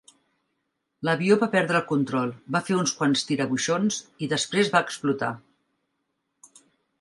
L'avió va perdre el control, va fer uns quants tirabuixons i després va explotar.